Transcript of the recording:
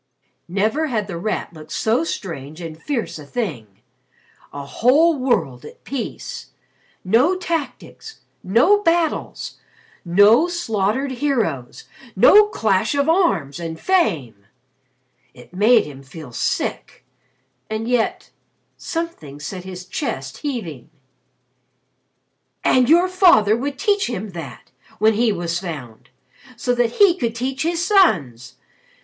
Never had The Rat looked so strange and fierce a thing. A whole world at peace! No tactics no battles no slaughtered heroes no clash of arms, and fame! It made him feel sick. And yet something set his chest heaving. "And your father would teach him that when he was found! So that he could teach his sons.